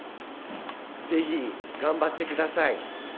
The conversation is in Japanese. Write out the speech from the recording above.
ぜひ頑張ってください。